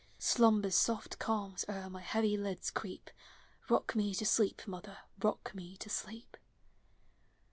Slumber's soft calms o'er my heavy lids creep; — Kock me to sleep, mother, rock me to sleep!